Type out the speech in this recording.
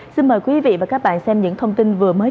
xin mời quý vị và các bạn xem những thông tin vừa mới